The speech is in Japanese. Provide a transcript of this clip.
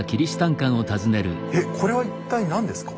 えっこれは一体何ですか？